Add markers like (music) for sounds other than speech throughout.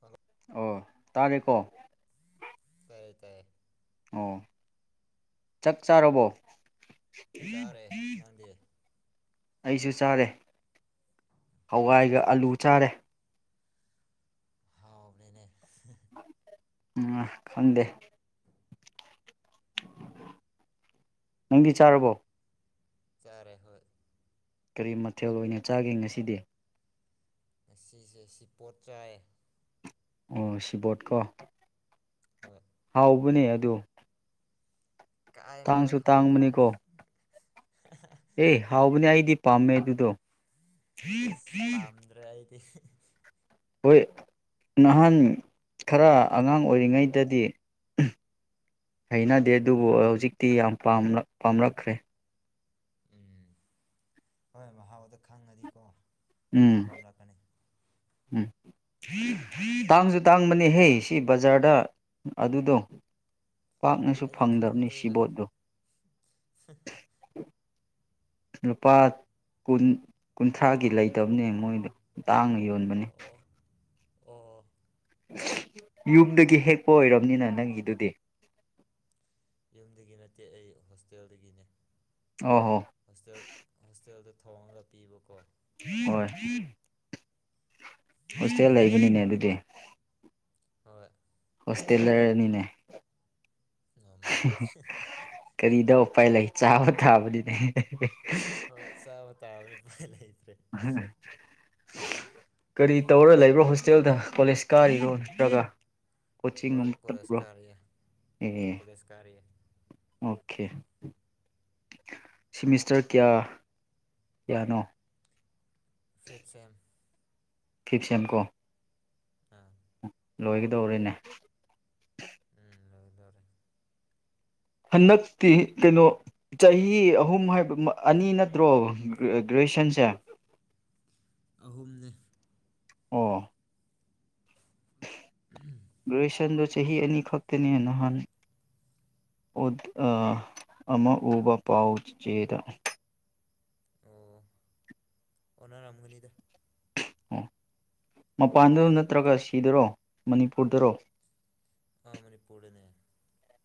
Hello ꯑꯣ ꯇꯥꯔꯦꯀꯣ ꯇꯥꯏ ꯇꯥꯏ ꯑꯣ ꯆꯛ ꯆꯥꯔꯕꯣ ꯆꯥꯔꯦ ꯅꯪꯗꯤ ꯑꯩꯁꯨ ꯆꯥꯔꯦ ꯀꯩ ꯏꯟꯁꯥꯡ ꯍꯋꯥꯏꯒ ꯑꯥꯂꯨ ꯆꯥꯔꯦ ꯍꯥꯎꯕꯅꯦꯅꯦ ꯑꯝ ꯈꯪꯗꯦ ꯅꯪꯗꯤ ꯆꯥꯔꯕꯣ ꯆꯥꯔꯦ ꯍꯣꯏ ꯀꯔꯤ ꯃꯊꯦꯜ ꯑꯣꯏꯅ ꯆꯥꯒꯦ ꯉꯁꯤꯗꯤ ꯉꯁꯤꯁꯦ ꯁꯤ ꯄꯣꯠ ꯆꯥꯏꯌꯦ ꯑꯣ ꯁꯤꯕꯣꯠꯀꯣ ꯍꯣꯏ ꯍꯥꯎꯕꯅꯦ ꯑꯗꯨ ꯀꯥꯏ ꯅꯣꯗ ꯇꯥꯡꯁꯨ ꯍꯥꯎꯇꯦꯗ ꯇꯥꯡꯕꯅꯤꯀꯣ ꯑꯦ ꯍꯥꯎꯕꯅꯦ ꯑꯩꯗꯤ ꯄꯥꯝꯃꯦ ꯑꯗꯨꯗꯣ ꯑꯁ ꯄꯥꯝꯗ꯭ꯔꯦ ꯑꯩꯗꯤ ꯍꯣꯏ ꯅꯍꯥꯟ ꯈꯔ ꯑꯉꯥꯡ ꯑꯣꯏꯔꯤꯉꯩꯗꯗꯤ ꯍꯩꯅꯗꯦ ꯑꯗꯨꯕꯨ ꯍꯧꯖꯤꯛꯇꯤ ꯌꯥꯝ ꯄꯥꯝꯂꯛ ꯄꯥꯝꯂꯛꯈ꯭ꯔꯦ ꯎꯝ ꯍꯣꯏ ꯃꯍꯥꯎꯗ ꯈꯪꯉꯗꯤꯀꯣ ꯑꯗꯨꯝ ꯎꯝ ꯄꯥꯝꯂꯛꯀꯅꯤ ꯎꯝ ꯇꯥꯡꯖꯨ ꯇꯥꯡꯕꯅꯦꯍꯦ ꯁꯤ ꯕꯖꯥꯔꯗ ꯑꯗꯨꯗꯣ ꯄꯥꯛꯅꯁꯨ ꯑꯩꯗꯤ ꯐꯪꯗꯕꯅꯤ ꯈꯪꯗ꯭ꯔꯦꯗ ꯁꯤꯕꯣꯠꯇꯣ (inaudible) ꯂꯨꯄꯥ ꯀꯨꯟ ꯀꯨꯟꯊ꯭ꯔꯥꯒꯤ ꯂꯩꯇꯕꯅꯦ ꯃꯣꯏꯗꯣ ꯇꯥꯡꯅ ꯌꯣꯟꯕꯅꯦ ꯑꯣ ꯑꯣ ꯌꯨꯝꯗꯒꯤ ꯍꯦꯛꯄ ꯑꯣꯏꯔꯝꯅꯤꯅ ꯅꯪꯒꯤꯗꯨꯗꯤ ꯌꯨꯝꯗꯒꯤ ꯅꯠꯇꯦ ꯑꯩ ꯍꯣꯁꯇꯦꯜꯗꯒꯤꯅꯦ ꯑꯣ ꯍꯣ ꯍꯣꯁꯇꯦꯜ ꯍꯣꯁꯇꯦꯜꯗ ꯊꯣꯡꯉꯒ ꯄꯤꯕꯀꯣ ꯍꯣꯏ ꯍꯣꯁꯇꯦꯜ ꯂꯩꯕꯅꯤꯅꯦ ꯑꯗꯨꯗꯤ ꯍꯣꯏ ꯍꯣꯁꯇꯦꯜ ꯂꯔꯅꯤꯅꯦ ꯑꯣ ꯃꯥꯅꯦ ꯀꯔꯤꯗ ꯎꯄꯥꯏ ꯂꯩ ꯆꯥꯕ ꯊꯥꯕꯅꯤꯅꯦ ꯍꯣꯏ ꯆꯕꯥ ꯇꯥꯕꯅꯤ ꯎꯄꯥꯏ ꯂꯩꯇ꯭ꯔꯦ ꯍꯝ (unintelligible) ꯀꯔꯤ ꯇꯧꯔ ꯂꯩꯕ꯭ꯔꯣ ꯍꯣꯁꯇꯦꯜꯗ ꯀꯣꯂꯦꯖ ꯀꯥꯔꯤꯔꯣ ꯅꯠꯇ꯭ꯔꯥꯒ ꯍꯣꯏ ꯀꯣꯆꯤꯡꯒꯨꯝ ꯀꯣꯂꯦꯖ ꯇꯠꯄ꯭ꯕꫭ ꯀꯥꯔꯤꯌꯦ ꯎꯝ ꯀꯣꯂꯦꯖ ꯀꯥꯔꯤꯌꯦ ꯑꯣꯀꯦ ꯁꯤꯃꯤꯁꯇꯔ ꯀꯌꯥ ꯀꯌꯥꯅꯣ ꯐꯤꯞ ꯁꯦꯝ ꯐꯤꯞꯁꯦꯝ ꯀꯣ ꯑꯥ ꯂꯣꯏꯒꯗꯧꯔꯦꯅꯦ ꯎꯝ ꯂꯣꯏꯗꯧꯔꯦ ꯍꯟꯗꯛꯇꯤ ꯀꯩꯅꯣ ꯆꯍꯤ ꯑꯍꯨꯝ ꯍꯥꯏꯕ ꯑꯅꯤ ꯅꯠꯇ꯭ꯔꯣ ꯒ꯭ꯔꯦꯖꯨꯋꯦꯁꯟꯁꯦ ꯑꯍꯨꯝꯅꯦ ꯑꯣ ꯎꯝ ꯒ꯭ꯔꯦꯖꯨꯌꯦꯁꯟꯗꯣ ꯆꯍꯤ ꯑꯅꯤ ꯈꯛꯇꯅꯦ ꯅꯍꯥꯟ ꯑꯣ ꯑꯥ ꯑꯃꯥ ꯎꯕꯥ ꯄꯥꯎ ꯆꯦꯗꯥ ꯑꯣ ꯑꯣꯅꯔꯝꯒꯅꯤꯗ ꯑꯣ ꯃꯄꯥꯟꯗ ꯅꯠꯇ꯭ꯔꯒ ꯁꯤꯗꯔꯣ ꯃꯅꯤꯄꯨꯔꯗꯔꯣ ꯑꯥ ꯃꯅꯤꯄꯨꯔꯗꯅꯦ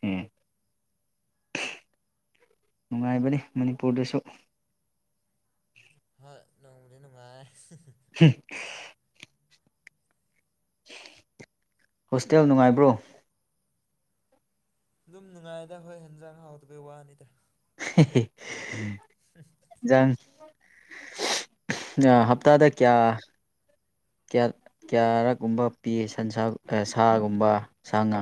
ꯑꯦ ꯅꯨꯡꯉꯥꯏꯕꯅꯤ ꯃꯅꯤꯄꯨꯔꯗꯁꯨ ꯍꯣꯏ ꯅꯣꯡꯕꯨꯗꯤ ꯅꯨꯡꯉꯥꯏꯌꯦ (unintelligible) ꯍꯣꯁꯇꯦꯜ ꯅꯨꯡꯉꯥꯏꯕ꯭ꯔꯣ ꯑꯗꯨꯝ ꯅꯨꯡꯉꯥꯏꯌꯦꯗ ꯍꯣꯏ ꯍꯦꯟꯖꯥꯡ ꯍꯥꯎꯇꯕꯩ ꯋꯥꯅꯤꯗ ꯍꯦꯍꯦ (unintelligible) (unintelligible) ꯍꯦꯟꯖꯥꯡ ꯍꯞꯇꯥꯗ ꯀ꯭ꯌꯥ ꯀ꯭ꯌꯥ ꯀ꯭ꯌꯥꯔꯛꯀꯨꯝꯕ ꯄꯤ ꯁꯟꯁꯥ ꯑꯦ ꯁꯥꯒꯨꯝꯕ ꯁꯥ ꯉꯥ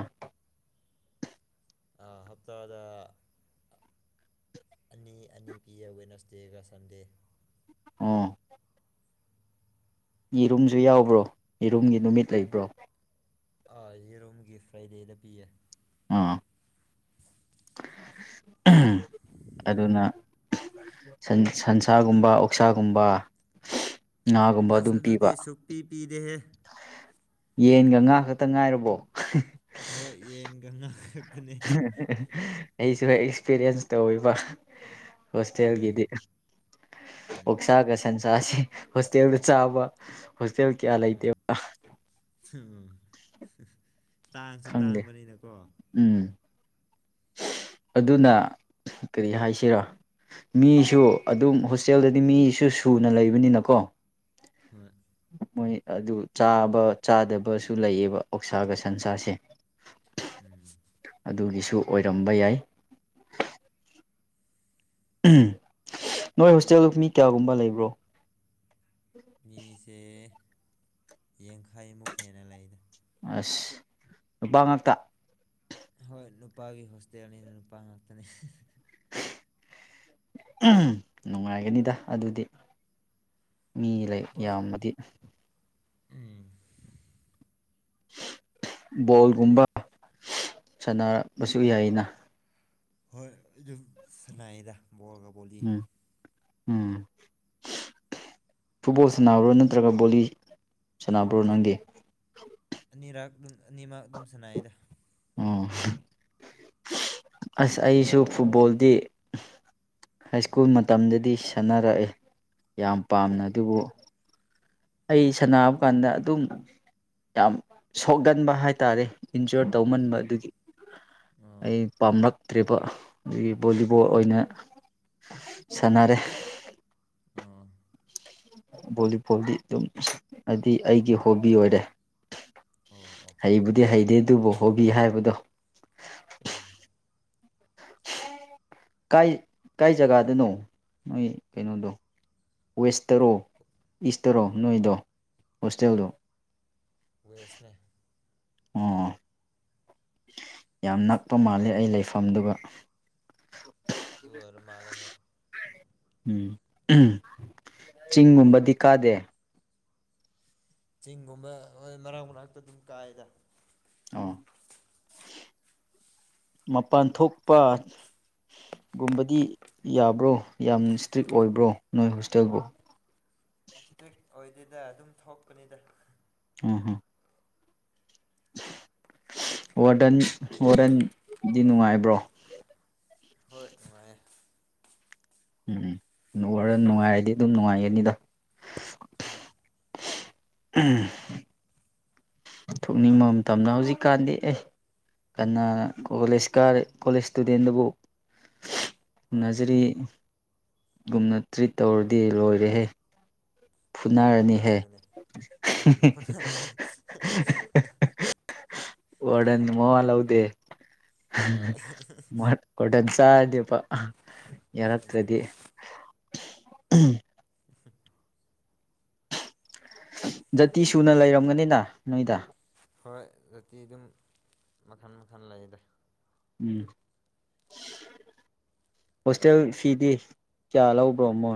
ꯑꯥ ꯍꯞꯇꯥꯗ ꯑꯅꯤ ꯑꯅꯤ ꯄꯤꯌꯦ ꯋꯦꯅꯁꯗꯦꯒꯥ ꯁꯟꯗꯦ ꯑꯣꯥ ꯌꯦꯔꯨꯝꯁꯨ ꯌꯥꯎꯕ꯭ꯔꯣ ꯌꯦꯔꯨꯝꯒꯤ ꯅꯨꯃꯤꯠ ꯂꯩꯕ꯭ꯔꯣ ꯑꯥ ꯌꯦꯔꯣꯝꯒꯤ ꯐ꯭ꯔꯥꯏꯗꯦꯗ ꯄꯤꯌꯦ ꯑꯥ ꯑꯗꯨꯅꯥ ꯁꯟ ꯁꯟꯁꯥꯒꯨꯝꯕ ꯑꯣꯛꯁꯥꯒꯨꯝꯕ ꯉꯥꯒꯨꯝꯕ ꯑꯁ ꯑꯗꯨꯝ ꯑꯗꯨꯗꯤ ꯄꯤꯕ ꯁꯨꯛꯄꯤ ꯄꯤꯗꯦꯍꯦ ꯌꯦꯟꯒꯥ ꯉꯥ ꯈꯛꯇ ꯉꯥꯏꯔꯕꯣ ꯍꯣꯏ ꯌꯦꯟꯒꯥ ꯉꯥ ꯈꯛꯇꯅꯦ ꯑꯩꯁꯨ ꯑꯦꯛꯁꯄꯤꯔꯤꯌꯦꯟꯁ ꯇꯧꯋꯦꯕ ꯍꯣꯏ ꯍꯣꯁꯇꯦꯜꯒꯤꯗꯤ ꯎꯝ ꯑꯣꯛꯁꯥꯒ ꯁꯟꯁꯥꯁꯦ ꯍꯣꯁꯇꯦꯜꯗ ꯆꯥꯕ ꯍꯣꯁꯇꯦꯜ ꯀꯌꯥ ꯎꯝ ꯂꯩꯇꯦꯕ ꯎꯝ ꯇꯥꯡꯁꯨ ꯈꯪꯗꯦ ꯇꯥꯡꯕꯅꯤꯅꯀꯣ ꯎꯝ ꯑꯗꯨꯅ ꯀꯔꯤ ꯍꯥꯏꯁꯤꯔꯥ ꯃꯤꯁꯨ ꯑꯗꯨꯝ ꯍꯣꯁꯇꯦꯜꯗꯗꯤ ꯃꯤꯁꯨ ꯁꯨꯅ ꯂꯩꯕꯅꯤꯅꯀꯣ ꯍꯣꯏ ꯃꯣꯏ ꯑꯗꯨ ꯆꯥꯕ ꯆꯥꯗꯕꯁꯨ ꯂꯩꯌꯦꯕ ꯑꯣꯛꯁꯥꯒ ꯁꯟꯁꯥꯁꯦ (unintelligible) ꯎꯝ ꯑꯗꯨꯒꯤꯁꯨ ꯑꯣꯏꯔꯝꯕ ꯌꯥꯏ ꯎꯝ ꯅꯣꯏ ꯍꯣꯁꯇꯦꯜꯗꯣ ꯃꯤ ꯀꯌꯥꯒꯨꯝꯕ ꯂꯩꯕ꯭ꯔꯣ ꯃꯤꯁꯦ ꯌꯦꯡꯈꯩꯃꯨꯛ ꯍꯦꯟꯅ ꯂꯩꯗ ꯑꯁ ꯅꯨꯄꯥ ꯉꯥꯛꯇ ꯍꯣꯏ ꯅꯨꯄꯥꯒꯤ ꯍꯣꯁꯇꯦꯜꯅꯤꯅ ꯅꯨꯄꯥ ꯉꯥꯛꯇꯅꯦ ꯎꯝ ꯅꯨꯡꯉꯥꯏꯒꯅꯤꯗ ꯑꯗꯨꯗꯤ ꯃꯤ ꯂꯩ ꯍꯣꯏ ꯌꯥꯝꯕꯗꯤ ꯎꯝ ꯕꯣꯜꯒꯨꯝꯕ ꯁꯥꯟꯅꯔ ꯕꯁꯨ ꯌꯥꯏꯅ ꯍꯣꯏ ꯑꯗꯨꯝ ꯁꯅꯥꯗ ꯕꯣꯜꯒ ꯕꯣꯂꯤ ꯎꯝ ꯎꯝ ꯐꯨꯠꯕꯣꯜ ꯁꯥꯟꯅꯕ꯭ꯔꯣ ꯅꯠꯇ꯭ꯔꯒ ꯕꯣꯂꯤ ꯁꯥꯟꯅꯕ꯭ꯔꯣ ꯅꯪꯒꯤ ꯑꯅꯤꯔꯥꯛ ꯑꯗꯨꯝ ꯑꯅꯤꯃꯛ ꯑꯗꯨꯝ ꯁꯅꯩꯗ ꯎꯝ ꯑꯁ ꯑꯩꯁꯨ ꯐꯨꯠꯕꯣꯜꯗꯤ ꯍꯥꯏ ꯁ꯭ꯀꯨꯜ ꯃꯇꯝꯗꯗꯤ ꯁꯥꯟꯅꯔꯛꯑꯦ ꯌꯥꯝ ꯄꯥꯝꯅ ꯑꯣ ꯑꯗꯨꯕꯨ ꯑꯩ ꯁꯥꯟꯅꯕ ꯀꯥꯟꯗ ꯑꯗꯨꯝ ꯌꯥꯝ ꯁꯣꯛꯒꯟꯕ ꯍꯥꯏꯇꯥꯔꯦ ꯏꯟꯖꯣꯔ ꯇꯧꯃꯟꯕ ꯎꯝ ꯑꯗꯨꯒꯤ ꯎꯝ ꯑꯩ ꯄꯥꯝꯂꯛꯇ꯭ꯔꯤꯕ ꯑꯩꯒꯤ ꯕꯣꯂꯤꯕꯣꯜ ꯑꯣꯏꯅ ꯁꯥꯟꯅꯔꯦ ꯑ ꯚꯣꯂꯤꯕꯣꯜꯗꯤ ꯑꯗꯨꯝ ꯍꯥꯏꯗꯤ ꯑꯩꯒꯤ ꯍꯣꯕꯤ ꯑꯣꯏꯔꯦ ꯑꯣ ꯑꯣ ꯍꯩꯕꯨꯗꯤ ꯍꯩꯗꯦ ꯑꯗꯨꯕꯨ ꯍꯣꯕꯤ ꯍꯥꯏꯕꯗꯣ ꯑ ꯀꯥꯏ ꯀꯥꯏ ꯖꯒꯥꯗꯅꯣ ꯅꯣꯏ ꯀꯩꯅꯣꯗꯣ ꯋꯦꯁꯇꯔꯣ ꯏꯁꯇꯔꯣ ꯅꯣꯏꯗꯣ ꯍꯣꯁꯇꯦꯜꯗꯣ ꯋꯦꯁꯅꯦ ꯑꯣ ꯌꯥꯝ ꯅꯛꯄ ꯃꯥꯜꯂꯦ ꯑꯩ ꯂꯩꯐꯝꯗꯨꯒ ꯑꯗꯨ ꯑꯣꯏꯔ ꯃꯥꯂꯦ ꯍꯣꯏ ꯎꯝ ꯆꯤꯡꯒꯨꯝꯕꯗꯤ ꯀꯥꯗꯦ ꯆꯤꯡꯒꯨꯝꯕ ꯍꯣꯏ ꯃꯅꯥꯛ ꯃꯅꯥꯛꯇ ꯑꯗꯨꯝ ꯀꯥꯏꯗ ꯑ ꯃꯄꯥꯟ ꯊꯣꯛꯄ ꯒꯨꯝꯕꯗꯤ ꯌꯥꯕ꯭ꯔꯣ ꯌꯥꯝꯅ ꯏꯁꯇ꯭ꯔꯤꯛ ꯑꯣꯏꯕ꯭ꯔꯣ ꯅꯣꯏ ꯍꯣꯁꯇꯦꯜꯕꯣ ꯇꯤꯛ ꯑꯣꯏꯗꯦꯗ ꯑꯗꯨꯝ ꯊꯣꯛꯄꯅꯤꯗ ꯑꯣ ꯍꯣ ꯋꯥꯔꯗꯟ ꯋꯥꯔꯗꯟꯗꯤ ꯅꯨꯡꯉꯥꯏꯕ꯭ꯔꯣ ꯍꯣꯏ ꯅꯨꯡꯉꯥꯏꯌꯦ ꯎꯝ ꯑꯣꯏꯔ ꯅꯨꯡꯉꯥꯏꯔꯗꯤ ꯑꯗꯨꯝ ꯅꯨꯡꯉꯥꯏꯒꯅꯤꯗ ꯍꯣꯏ ꯎꯝ ꯊꯣꯛꯅꯤꯡꯕ ꯃꯇꯝꯗ ꯍꯧꯖꯤꯛꯀꯥꯟꯗꯤ ꯑꯦ ꯀꯅꯥ ꯀꯣꯂꯦꯖ ꯀꯥꯔꯦ ꯀꯣꯂꯦꯖ ꯏꯁꯇꯨꯗꯦꯟꯗꯨꯕꯨ ꯍꯣꯏ ꯅꯖꯔꯤꯒꯨꯝꯅ ꯇ꯭ꯔꯤꯠ ꯇꯧꯔꯗꯤ ꯂꯣꯏꯔꯦꯍꯦ ꯍꯣꯏ ꯐꯨꯅꯥꯔꯅꯤꯍꯦ ꯑꯗꯨꯅꯦ ꯎꯝ ꯐꯨꯅꯔꯅꯤ ꯋꯥꯟ ꯃꯋꯥ ꯂꯧꯎꯗꯦ ꯍꯣꯏ ꯀꯇꯟ ꯆꯗꯄꯥ ꯎꯝ ꯌꯦꯔꯛꯇꯗꯤ ꯖꯥꯇꯤ ꯁꯨꯅ ꯂꯩꯔꯝꯒꯅꯤꯅ ꯅꯣꯏꯗ ꯍꯔꯣꯏ ꯑꯗꯨꯛꯇꯤ ꯑꯗꯨꯝ ꯃꯈꯟ ꯃꯈꯟ ꯂꯩꯗ ꯎꯝ ꯍꯣꯁꯇꯦꯜ ꯐꯤꯗꯤ ꯀꯌꯥ ꯂꯧꯕ꯭ꯔꯣ ꯃꯣ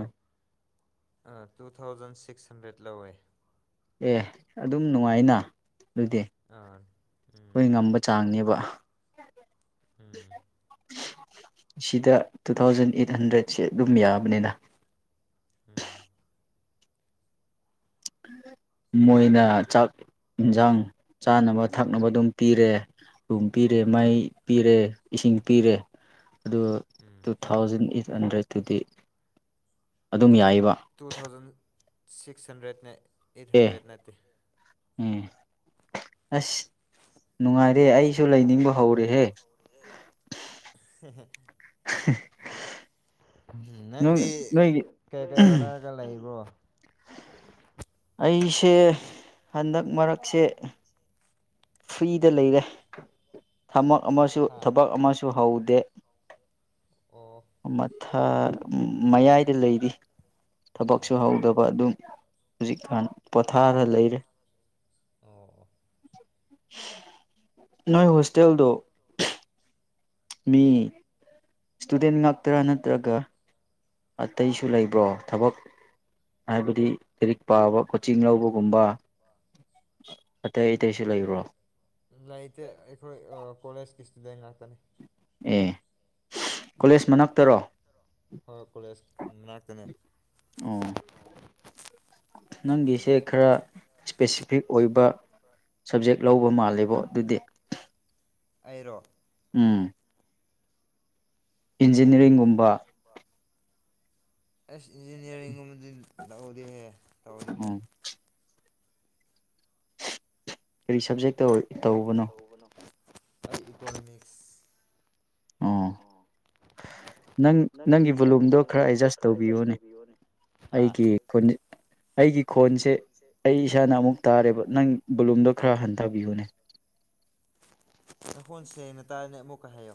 ꯇꯨ ꯊꯥꯎꯖꯟ ꯁꯤꯛꯁ ꯍꯟꯗ꯭ꯔꯦꯗ ꯂꯧꯋꯦ ꯑꯦ ꯑꯗꯨꯝ ꯅꯨꯡꯉꯥꯏꯅ ꯑꯗꯨꯗꯤ ꯑꯥ ꯎꯝ ꯍꯣꯏ ꯉꯝꯕ ꯅꯨꯡꯉꯥꯏꯌꯦ ꯆꯥꯡꯅꯦꯕ ꯎꯝ ꯁꯤꯗ ꯇꯨ ꯊꯥꯎꯖꯟ ꯑꯩꯠ ꯍꯟꯗ꯭ꯔꯦꯠꯁꯦ ꯑꯗꯨꯝ ꯌꯥꯕꯅꯤꯅ ꯎꯝ ꯃꯣꯏꯅ ꯆꯥꯛ ꯏꯟꯁꯥꯡ ꯆꯥꯅꯕ ꯊꯛꯅꯕ ꯑꯗꯨꯝ ꯄꯤꯔꯦ ꯊꯨꯝ ꯄꯤꯔꯦ ꯃꯥꯏ ꯍꯣꯏ ꯄꯤꯔꯦ ꯏꯁꯤꯡ ꯄꯤꯔꯦ ꯑꯗꯨ ꯎꯝ ꯇꯨ ꯊꯥꯎꯖꯟ ꯑꯩꯠ ꯍꯟꯗ꯭ꯔꯦꯠꯇꯨꯗꯤ ꯑꯗꯨꯝ ꯌꯥꯏꯕ ꯇꯨ ꯊꯥꯎꯖꯟ ꯁꯤꯛꯁ ꯍꯟꯗ꯭ꯔꯦꯠꯅꯦ ꯑꯩꯠ ꯑꯦ ꯍꯟꯗ꯭ꯔꯦꯠ ꯅꯠꯇꯦ ꯎꯝ ꯑꯁ ꯅꯨꯡꯉꯥꯏꯔꯦ ꯑꯩꯁꯨ ꯂꯩꯅꯤꯡꯕ ꯍꯧꯔꯦꯍꯦ ꯍꯦꯍꯦ ꯍ ꯅꯪꯗꯤ ꯀꯩ ꯀꯩ ꯍꯣꯠꯅꯔꯒ ꯂꯩꯏꯕꯣ ꯑꯩꯁꯦ ꯍꯟꯗꯛ ꯃꯔꯛꯁꯦ ꯐ꯭ꯔꯤꯗ ꯂꯩꯔꯦ ꯊꯃꯛ ꯑꯃꯁꯨ ꯍꯥ ꯊꯕꯛ ꯑꯃꯁꯨ ꯍꯧꯗꯦ ꯑꯣ ꯃꯊ ꯃꯌꯥꯏꯗ ꯂꯩꯔꯤ ꯊꯕꯛꯁꯨ ꯑꯣ ꯑꯣ ꯑꯣ ꯍꯧꯗꯕ ꯑꯗꯨꯝ ꯍꯧꯖꯤꯛꯀꯥꯟ ꯄꯣꯊꯥꯔ ꯂꯩꯔꯦ ꯑꯣ ꯅꯣꯏ ꯍꯣꯁꯇꯦꯜꯗꯣ ꯃꯤ ꯏꯁꯇꯨꯗꯦꯟ ꯉꯥꯛꯇ꯭ꯔꯥ ꯅꯠꯇ꯭ꯔꯒ ꯑꯇꯩꯁꯨ ꯂꯩꯕ꯭ꯔꯣ ꯊꯕꯛ ꯍꯥꯏꯕꯗꯤ ꯂꯥꯏꯔꯤꯛ ꯄꯥꯕ ꯀꯣꯆꯤꯡ ꯂꯧꯕꯒꯨꯝꯕ ꯑꯇꯩ ꯑꯇꯩꯁꯨ ꯂꯩꯕ꯭ꯔꯣ ꯂꯩꯇꯦ ꯑꯩꯈꯣꯏ ꯀꯣꯂꯦꯖꯀꯤ ꯏꯁꯇꯨꯗꯦꯟ ꯉꯥꯛꯇꯅꯤ ꯑꯦ ꯀꯣꯂꯦꯖ ꯃꯅꯥꯛꯇꯔꯣ ꯍꯣꯏ ꯀꯣꯂꯦꯖ ꯃꯅꯥꯛꯇꯅꯦ ꯑꯣ ꯅꯪꯒꯤꯁꯦ ꯈꯔ ꯁ꯭ꯄꯦꯁꯤꯐꯤꯛ ꯑꯣꯏꯕ ꯁꯕꯖꯦꯛ ꯂꯧꯕ ꯃꯥꯜꯂꯦꯕꯣ ꯑꯗꯨꯗꯤ꯫ ꯑꯩꯔꯣ ꯎꯝ ꯏꯟꯖꯤꯅꯤꯌꯥꯔꯤꯡꯒꯨꯝꯕ ꯑꯁ ꯏꯟꯖꯤꯅꯤꯌꯥꯔꯤꯡꯒꯨꯝꯕꯗꯤ ꯂꯧꯗꯦꯍꯦ ꯇꯧꯗꯤꯍꯦ꯫ ꯎꯝ ꯀꯔꯤ ꯁꯕꯖꯦꯛꯇ ꯇꯧꯔꯤ ꯇꯧꯕꯅꯣ? ꯇꯧꯕꯅ ꯑꯩ ꯏꯀꯣꯅꯣꯃꯤꯛꯁ ꯑꯣ ꯅꯪ ꯅꯪꯒꯤ ꯕꯣꯂꯨꯝꯗꯣ ꯈꯔ ꯑꯦꯗꯖꯁ ꯇꯧꯕꯤꯌꯣꯅꯦ ꯍꯥ ꯑꯩꯒꯤ ꯐꯣꯟꯁꯦ ꯑꯩꯒꯤ ꯈꯣꯟꯁꯦ ꯑꯩ ꯏꯁꯥꯅ ꯑꯃꯨꯛ ꯇꯥꯔꯦꯕ ꯅꯪ ꯕꯣꯂꯨꯝꯗꯣ ꯈꯔ ꯍꯟꯊꯕꯤꯌꯨꯅꯦ꯫ (inaudible) ꯅꯈꯣꯟ ꯁꯦꯡꯅ ꯇꯥꯏꯅꯦ ꯑꯃꯨꯛꯀ ꯍꯥꯏꯌꯨ꯫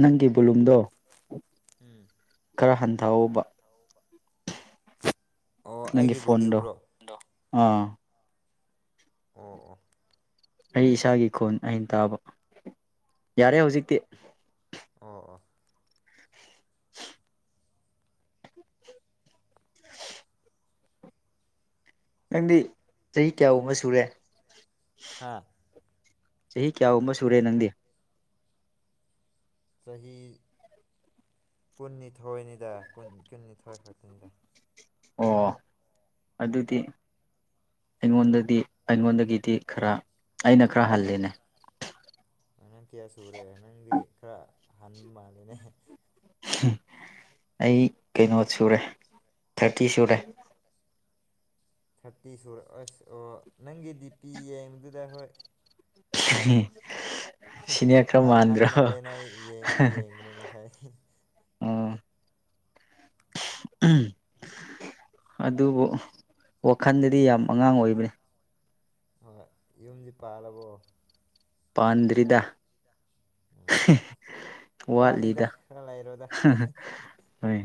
ꯅꯪꯒꯤ ꯕꯣꯂꯨꯝꯗꯣ ꯎꯝ ꯈꯔ ꯍꯟꯊꯧꯕ ꯑꯣ ꯅꯪꯒꯤ ꯑꯩꯒꯤ ꯐꯣꯟꯗꯣ ꯕꯣꯂ꯭ꯌꯨꯝꯔꯣ ꯑꯥ ꯑꯣ ꯑꯣ ꯑꯩ ꯏꯁꯥꯒꯤ ꯈꯣꯟ ꯑꯩꯅ ꯇꯥꯕ ꯌꯥꯔꯦ ꯍꯧꯖꯤꯛꯇꯤ꯫ ꯑꯣ ꯑꯣ ꯅꯪꯗꯤ ꯆꯍꯤ ꯀꯌꯥꯒꯨꯝꯕ ꯁꯨꯔꯦ? ꯍꯥꯥ ꯆꯍꯤ ꯀꯌꯥꯒꯨꯝꯕ ꯁꯨꯔꯦ ꯅꯪꯗꯤ? ꯆꯍꯤ ꯀꯨꯟꯅꯤꯊꯣꯏꯅꯤꯗ ꯀꯨꯟꯅꯤꯊꯣꯏ ꯈꯛꯇꯅꯤꯗ꯫ ꯑꯣ ꯑꯗꯨꯗꯤ ꯑꯩꯉꯣꯟꯗꯗꯤ ꯑꯩꯉꯣꯟꯗꯒꯤꯗꯤ ꯈꯔ ꯑꯩꯅ ꯈꯔ ꯍꯜꯂꯦꯅꯦ꯫ ꯅꯪ ꯀꯌꯥ ꯁꯨꯔꯦ ꯅꯪꯗꯤ ꯈꯔ ꯍꯥꯟꯕ ꯃꯥꯂꯦꯅꯦ꯫ ꯑꯩ ꯀꯩꯅꯣ ꯁꯨꯔꯦ ꯊꯥꯔꯇꯤ ꯁꯨꯔꯦ꯫ ꯊꯥꯔꯇꯤ ꯁꯣꯔ ꯑꯁ ꯑꯣ ꯅꯪꯒꯤ ꯗꯤ ꯄꯤ ꯌꯦꯡꯕꯗꯨꯗ ꯍꯣꯏ꯫ ꯁꯤꯅꯦꯌꯔ ꯈꯔ ꯑꯍꯟ ꯃꯥꯟꯗ꯭ꯔꯣ ꯃꯥꯜꯂꯦꯅ ꯌꯦꯡꯕꯨꯗꯤ ꯌꯦꯡꯕꯅꯦ ꯉꯁꯥꯏ ꯑꯣ ꯑꯗꯨꯕꯨ ꯋꯥꯈꯜꯗꯗꯤ ꯌꯥꯝ ꯑꯉꯥꯡ ꯑꯣꯏꯕꯅꯤ꯫ ꯍꯣꯏ ꯌꯨꯝꯗꯤ ꯄꯥꯜꯂꯕꯣ? ꯄꯥꯟꯗ꯭ꯔꯤꯗ ꯋꯥꯠꯂꯤꯗ ꯈꯔ ꯂꯩꯔꯣꯗ ꯍꯣꯏ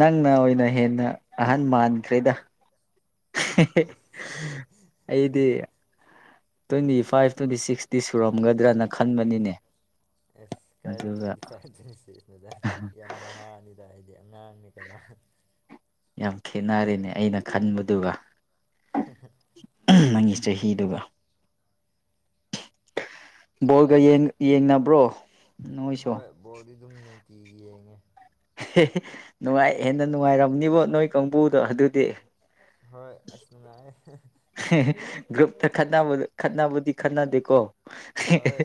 ꯅꯪꯅ ꯑꯣꯏꯅ ꯍꯦꯟꯅ ꯑꯍꯟ ꯃꯥꯟꯈ꯭ꯔꯦꯗ꯫ ꯑꯁ ꯑꯩꯗꯤ ꯇ꯭ꯋꯦꯟꯇꯤ ꯐꯥꯏꯚ ꯇ꯭ꯋꯦꯟꯇꯤ ꯁꯤꯛꯁꯇꯤ ꯁꯨꯔꯝꯒꯗ꯭ꯔꯥꯅ ꯈꯟꯕꯅꯤꯅꯦ꯫ ꯑꯦꯁ ꯀꯥꯏꯗ ꯑꯗꯨꯒ ꯇ꯭ꯋꯦꯟꯇꯤ ꯐꯥꯏꯚ ꯇꯨꯋꯦꯟꯇꯤꯁꯤꯁꯅꯣꯗ ꯌꯥꯝ ꯅꯍꯥꯅꯤ ꯑꯩꯏꯗꯤ ꯑꯉꯥꯡꯅꯤ ꯀꯩꯅꯣ ꯌꯥꯝ ꯈꯦꯠꯅꯔꯦꯅꯦ ꯑꯩꯅ ꯈꯟꯕꯗꯨꯒ꯫ (unintelligible) ꯅꯪꯒꯤ ꯆꯍꯤꯗꯨꯒ ꯕꯣꯜꯒ ꯌꯦꯡ ꯌꯦꯡꯅꯕ꯭ꯔꯣ? ꯅꯣꯏꯁꯨ ꯍꯣꯏ ꯕꯣꯜꯗꯤ ꯑꯗꯨꯝ ꯅꯨꯡꯇꯤꯒꯤ ꯌꯦꯡꯉꯦ꯫ ꯅꯨꯡꯉꯥꯏ ꯍꯦꯟꯅ ꯅꯨꯡꯉꯥꯏꯔꯝꯅꯤꯕꯣ ꯅꯣꯏ ꯀꯥꯡꯕꯨꯗꯣ ꯑꯗꯨꯗꯤ꯫ ꯍꯣꯏ ꯑꯁ ꯅꯨꯡꯉꯥꯏꯌꯦ ꯒ꯭ꯔꯨꯞꯇ ꯈꯠꯅꯕ ꯈꯠꯅꯥꯕꯗꯤ ꯈꯠꯅꯗꯦꯀꯣ ꯍꯣꯏ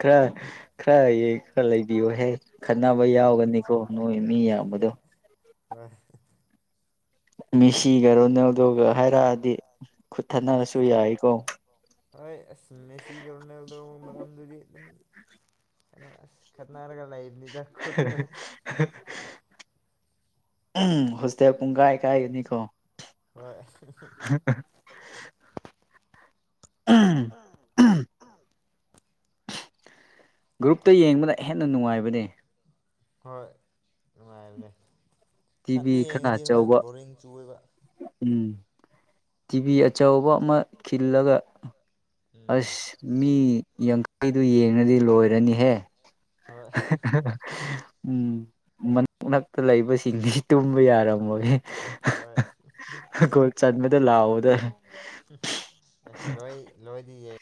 ꯈꯔ ꯈꯔ ꯌꯦꯡꯉꯒ ꯂꯩꯕꯤꯌꯣꯍꯦ꯫ ꯈꯠꯅꯕ ꯎꯝ ꯌꯥꯎꯒꯅꯤꯀꯣ ꯅꯣꯏ ꯃꯤ ꯌꯥꯝꯕꯗꯣ ꯍꯣꯏ ꯃꯤꯁꯤꯒ ꯔꯣꯅꯥꯜꯗꯣꯒ ꯍꯥꯏꯔꯛꯑꯗꯤ ꯈꯨꯠ ꯊꯠꯅꯔꯁꯨ ꯑꯁ ꯌꯥꯏꯀꯣ ꯍꯣꯏ ꯑꯁ ꯃꯦꯁꯤꯒ ꯔꯣꯜꯅꯗꯣ ꯃꯔꯝꯗꯗꯤ ꯗꯨꯝ ꯑꯗꯣ ꯑꯁ ꯈꯠꯅꯥꯔꯒ ꯂꯩ (unintelligible) ꯎꯝ ꯍꯣꯁꯇꯦꯜ ꯄꯨꯡ ꯀꯥꯏ ꯀꯥꯏꯒꯅꯤꯀꯣ ꯍꯣꯏ ꯎꯝ ꯎꯝ ꯒ꯭ꯔꯨꯞꯇ ꯌꯦꯡꯕꯅ ꯍꯦꯟꯅ ꯅꯨꯡꯉꯥꯏꯕꯅꯦ ꯍꯣꯏ ꯅꯨꯡꯉꯥꯏꯕꯅꯦ ꯇꯤꯚꯤ ꯊꯟꯗ ꯈꯔ ꯌꯦꯡꯉꯗꯤ ꯍꯣꯏ ꯑꯆꯧꯕ ꯕꯣꯔꯤꯡ ꯆꯨꯌꯦꯕ꯫ ꯎꯝ ꯇꯤꯚꯤ ꯑꯆꯧꯕ ꯑꯃ ꯈꯤꯜꯂꯒ꯫ ꯎꯝ ꯑꯁ ꯃꯤ ꯌꯥꯡꯈꯩꯗꯨ ꯌꯦꯡꯉꯗꯤ ꯂꯣꯏꯔꯅꯤꯍꯦ꯫ ꯍꯣꯏ (unintelligible) ꯎꯝ ꯃꯟ ꯅꯛꯇ ꯂꯩꯕꯁꯤꯡꯗꯤ ꯇꯨꯝꯕ ꯌꯥꯔꯝꯃꯣꯏꯍꯦ꯫ ꯆꯟꯕꯗ ꯂꯥꯎꯕꯗ (unintelligible) ꯂꯣꯏꯗꯤꯌꯦ